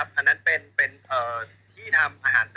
อันนั้นเป็นที่ทำอาหารเสริมตัวเก่า